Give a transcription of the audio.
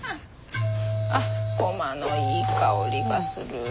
あっゴマのいい香りがする。